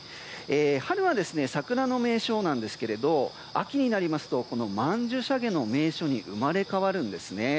春は桜の名所なんですけど秋になりますとマンジュシャゲの名所に生まれ変わるんですね。